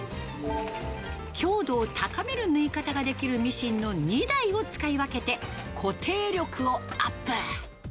強度を高める縫い方ができるミシンの２台を使い分けて、固定力をアップ。